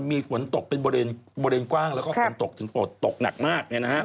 มีฝนตกเป็นบริเวณกว้างแล้วก็ฝนตกถึงฝนตกหนักมาก